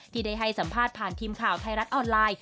ที่ได้ให้สัมภาษณ์ผ่านทีมข่าวไทยรัฐออนไลน์